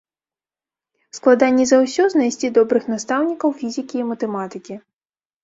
Складаней за ўсё знайсці добрых настаўнікаў фізікі і матэматыкі.